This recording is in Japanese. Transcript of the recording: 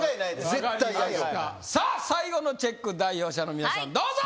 絶対に大丈夫さあ最後のチェック代表者の皆さんどうぞ！